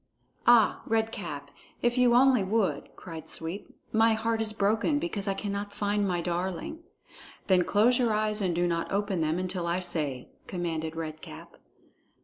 "Ah, Red Cap, if you only would!" cried Sweep. "My heart is broken because I cannot find my darling." "Then close your eyes and do not open them until I say," commanded Red Cap.